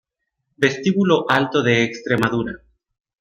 Vestíbulo Alto de Extremadura